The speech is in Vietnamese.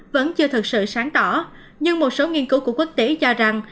vẫn chưa thật sự sáng tỏ nhưng một số nghiên cứu của quốc tế cho rằng